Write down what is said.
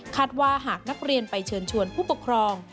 หากว่าหากนักเรียนไปเชิญชวนผู้ปกครอง